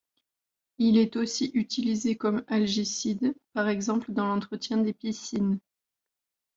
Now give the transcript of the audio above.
Il est aussi utilisé comme algicide, par exemple dans l'entretien des piscines...